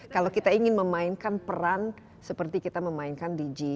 kalau kita ingin memainkan peran seperti kita memainkan di g dua puluh presidensi